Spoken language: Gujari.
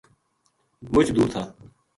مُچ دُور تھا